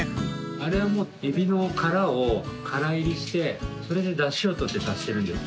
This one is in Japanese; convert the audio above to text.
あれはもうエビの殻をからいりしてそれでだしを取って足してるんですね。